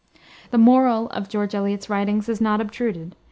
The moral of George Eliot's writings is not obtruded.